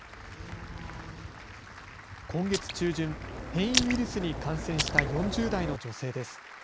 今月中旬、変異ウイルスに感染した４０代の女性です。